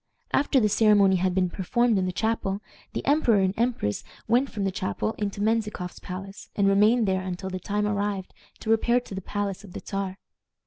After the ceremony had been performed in the chapel, the emperor and empress went from the chapel into Menzikoff's palace, and remained there until the time arrived to repair to the palace of the Czar.